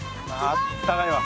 あったかいわ。